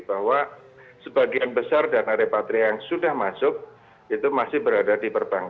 bahwa sebagian besar dana repatria yang sudah masuk itu masih berada di perbankan